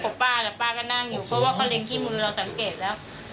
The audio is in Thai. ป้าแต่ป้าก็นั่งอยู่เพราะว่าเขาเล็งที่มือเราสังเกตแล้ว